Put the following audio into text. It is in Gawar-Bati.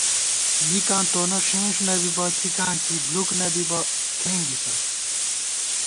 مِکاں تونہ ݭېن نہ بِبہ ݪِکاں کِیَہ بۡلُوک نہ بِبَہ ݪېنگِسہ